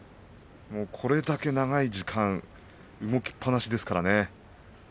これだけ長い時間動きっぱなしですからね。